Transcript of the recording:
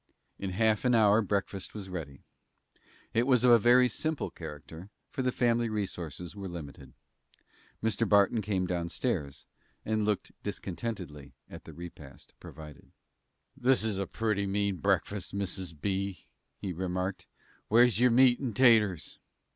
In half an hour breakfast was ready. It was of a very simple character, for the family resources were limited. Mr. Barton came downstairs, and looked discontentedly at the repast provided. "This is a pretty mean breakfast, Mrs. B.," he remarked. "Where's your meat and taters?"